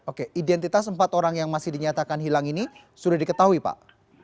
oke identitas empat orang yang masih dinyatakan hilang ini sudah diketahui pak